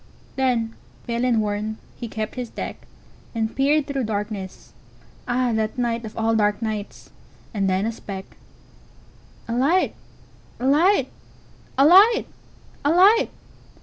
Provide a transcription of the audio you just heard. Then, pale and worn, he kept his deck, And peered through darkness. Ah, that nightOf all dark nights! And then a speck—A light! A light! A light! A light!